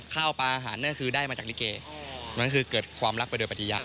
ข้าวปลาอาหารก็คือได้มาจากลิเกมันก็คือเกิดความรักไปโดยปฏิยะ